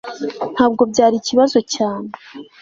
ntabwo byari ikibazo cyane